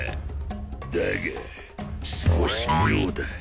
だが少し妙だ。